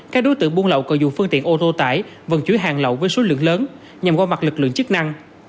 các đối tượng buôn lậu cầu dụng phương tiện ô tô tải vận chuyển hàng lậu với số lượng lớn nhằm gọi mặt lực lượng chức năng